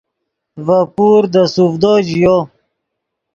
ڤے پور دے سوڤدو ژیو